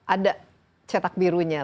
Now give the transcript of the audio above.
ada cetak birunya